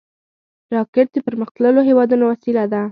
راکټ د پرمختللو هېوادونو وسیله ده